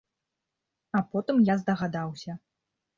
А потым я здагадаўся!